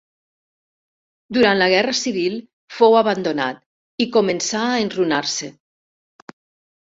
Durant la guerra civil fou abandonat i començà a enrunar-se.